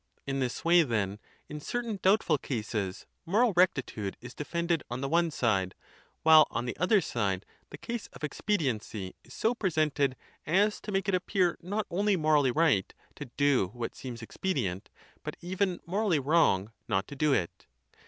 " In this way, then, in certain doubtful cases moral rectitude is defended on the one side, while on the other side the case of expediency is so presented as to make it appear not only morally right to do what seems expedient, but even morally wrong not to do it.